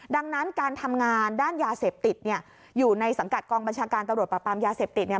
ดังนั้นการทำงานด้านยาเสพติดเนี่ยอยู่ในสังกัดกองบัญชาการตำรวจปรับปรามยาเสพติดเนี่ย